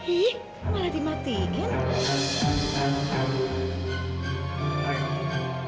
ih malah dimatikan